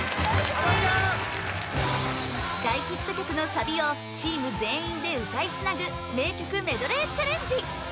大ヒット曲のサビをチーム全員で歌いつなぐ名曲メドレーチャレンジ